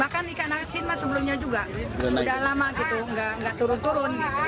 bahkan ikan asin sebelumnya juga udah lama gitu nggak turun turun gitu